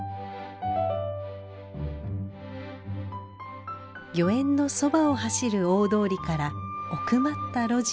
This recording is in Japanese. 御苑のそばを走る大通りから奥まった路地を進んでいくと。